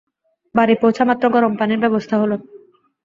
বাড়ি পৌঁছামাত্র গরম পানির ব্যবস্থা হল।